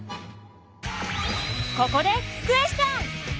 ここでクエスチョン！